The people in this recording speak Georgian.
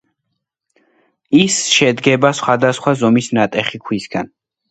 ის შედგება სხვადასხვა ზომის ნატეხი ქვისაგან.